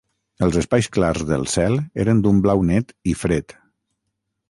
Els espais clars del cel eren d'un blau net i fred.